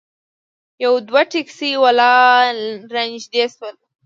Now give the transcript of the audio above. یو دوه ټیکسي والا رانږدې شول.